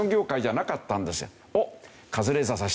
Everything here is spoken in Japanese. おっカズレーザーさん知ってる？